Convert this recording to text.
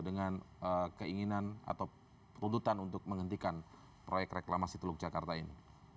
dengan keinginan atau peruntutan untuk menghentikan proyek reklamasi teluk jakarta ini